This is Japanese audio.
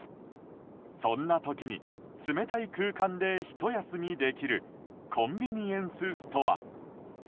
そんな時に冷たい空間でひと休みできるコンビニエンスストア。